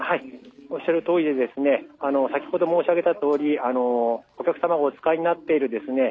おっしゃるとおりで先ほど、申し上げたとおりお客様がお使いになっている